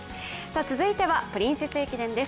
続いてはプリンセス駅伝です。